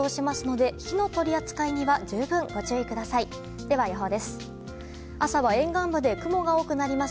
では、予報です。